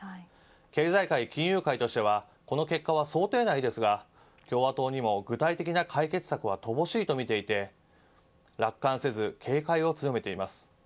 経済界、金融界としてはこの結果は想定内ですが共和党にも具体的な解決策は乏しいと見ていて楽観せず警戒を強めています。